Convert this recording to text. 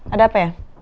ada apa ya